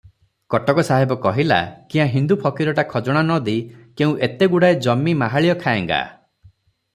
କଟକ ସାହେବ କହିଲା, "କ୍ୟାଁ, ହିନ୍ଦୁ ଫକୀରଟା ଖଜଣା ନ ଦେଇ କେଉଁ ଏତେଗୁଡ଼ାଏ ଜମି ମାହାଳିଅ ଖାଏଙ୍ଗା?